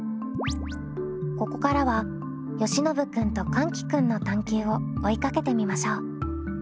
ここからはよしのぶ君とかんき君の探究を追いかけてみましょう。